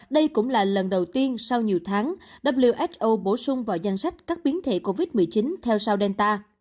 đây cũng là lần đầu tiên sau nhiều tháng who bổ sung vào danh sách các biến thể covid một mươi chín theo sau delta